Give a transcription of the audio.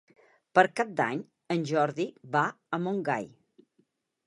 Per Cap d'Any en Jordi va a Montgai.